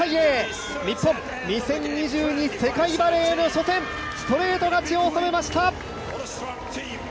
日本、２０２２世界バレーの初戦、ストレート勝ちを収めました！